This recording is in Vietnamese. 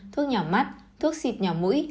thuốc nhỏ mắt thuốc xịt nhỏ mũi